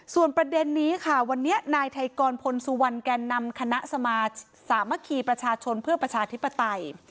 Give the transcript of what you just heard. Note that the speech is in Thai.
ส่วนประเด็นนี้ค่ะวันนี้นายไทยกรพลสุวรรณแก่นำคณะสมาสามัคคีประชาชนเพื่อประชาธิปไตย